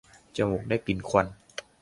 จมูกได้กลิ่นควัน